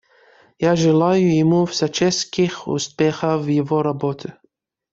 Я желаю ему всяческих успехов в его работе.